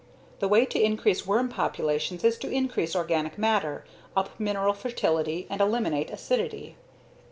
The way to increase worm populations is to increase organic matter, up mineral fertility, and eliminate acidity.